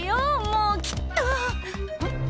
もうきっとあ？